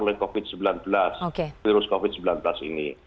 kita tidak terbapar oleh covid sembilan belas virus covid sembilan belas ini